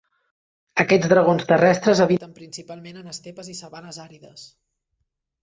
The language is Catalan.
Aquests dragons terrestres habiten principalment en estepes i sabanes àrides.